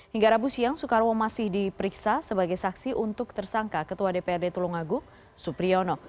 hingga rabu siang soekarwo masih diperiksa sebagai saksi untuk tersangka ketua dprd tulungagung supriyono